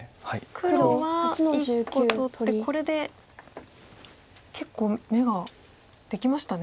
黒は１個取ってこれで結構眼ができましたね。